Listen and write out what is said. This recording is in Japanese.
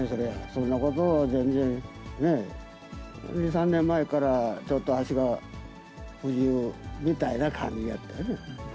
そんなことは全然、２、３年前から、ちょっと足が不自由みたいな感じやったよね。